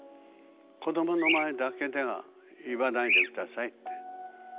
「子どもの前だけでは言わないでください」って。